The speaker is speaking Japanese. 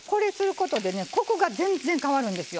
ことでねコクが全然変わるんですよ。